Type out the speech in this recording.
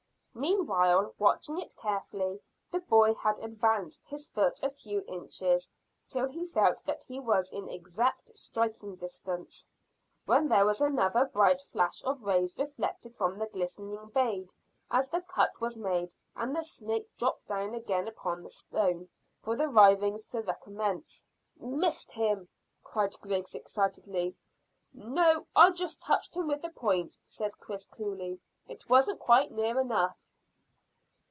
Meanwhile, watching it carefully, the boy had advanced his foot a few inches till he felt that he was in exact striking distance, when there was another bright flash of rays reflected from the glistening blade, as the cut was made and the snake dropped down again upon the stone, for the writhings to recommence. "Missed him?" cried Griggs excitedly. "No; I just touched him with the point," said Chris coolly. "I wasn't quite near enough."